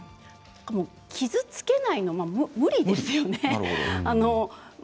傷つけないのは無理ですよね。